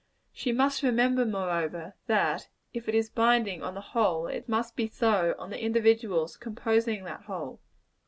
She must remember, moreover, that if it is binding on the whole, it must be so on the individuals composing that whole.